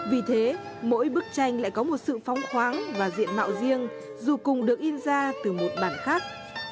vì thế mỗi bức tranh lại có một sự phóng khoáng và diện mạo riêng dù cùng được in ra từ một bản khác